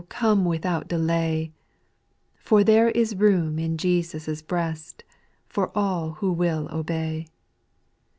come without delay ; For there is room in Jesus' breast For all who will obey.